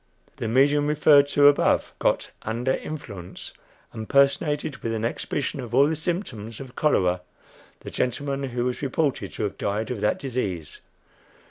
The medium above referred to got "under influence," and personated, with an exhibition of all the symptoms of cholera, the gentleman who was reported to have died of that disease.